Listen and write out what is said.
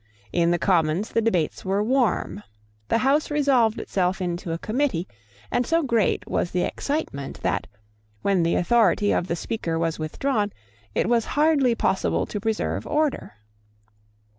In the Commons the debates were warm. The House resolved itself into a Committee; and so great was the excitement that, when the authority of the Speaker was withdrawn, it was hardly possible to preserve order.